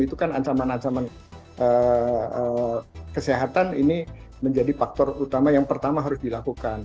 itu kan ancaman ancaman kesehatan ini menjadi faktor utama yang pertama harus dilakukan